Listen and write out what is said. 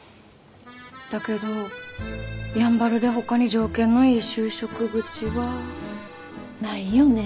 だけどやんばるでほかに条件のいい就職口は。ないよね。